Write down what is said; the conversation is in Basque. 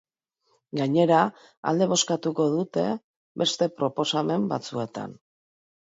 Gainera, alde bozkatuko dute beste proposamen batzuetan.